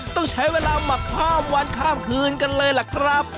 ต้องใช้เวลาหมักข้ามวันข้ามคืนกันเลยล่ะครับ